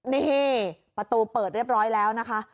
นี่ประตูเปิดเรียบร้อยแล้วนะคะ